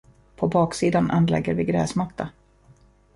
På baksidan anlägger vi gräsmatta.